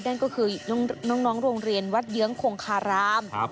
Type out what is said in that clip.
นั่นก็คือน้องโรงเรียนวัดเยื้องคงคาราม